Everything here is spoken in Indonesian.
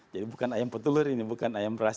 jadi bukan ayam petulur ini bukan ayam ras